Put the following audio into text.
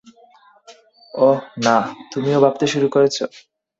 ওহ না, তুমিও ভাবতে শুরু করেছ।